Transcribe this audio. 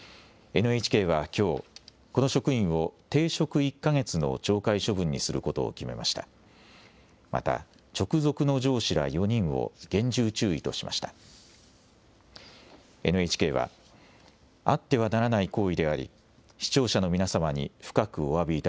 ＮＨＫはきょうこの職員を停職１か月の懲戒処分にすることを決めました。